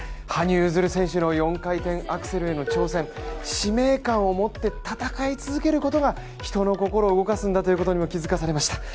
羽生結弦選手の４回転アクセルへの挑戦、使命感を持って戦い続けることが人の心を動かすんだということにも気づかされました。